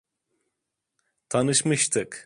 Tanışmıştık.